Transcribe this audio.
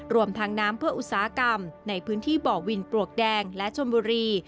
รวมทางน้ำเพื่ออุตสาหกรรมในพื้นที่บ่อวินปลวกแดงและชนบุรี